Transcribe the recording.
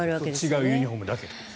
違うユニホームだけど。